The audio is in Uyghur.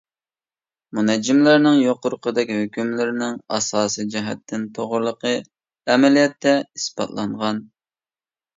مۇنەججىملەرنىڭ يۇقىرىقىدەك ھۆكۈملىرىنىڭ ئاساسىي جەھەتتىن توغرىلىقى ئەمەلىيەتتە ئىسپاتلانغان.